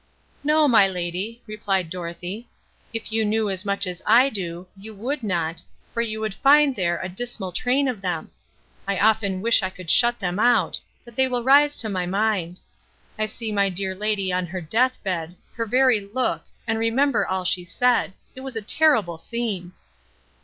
"No, my lady," replied Dorothée; "if you knew as much as I do, you would not, for you would find there a dismal train of them; I often wish I could shut them out, but they will rise to my mind. I see my dear lady on her death bed,—her very look,—and remember all she said—it was a terrible scene!"